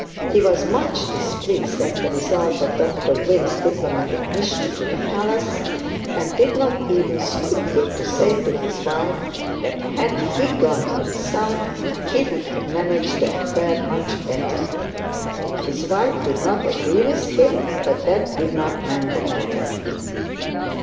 He was much displeased at the result of Dr Gwynne's diplomatic mission to the palace, and did not even scruple to say to his wife that had he gone himself he would have managed the affair much better. His wife did not agree with him, but that did not mend the matter.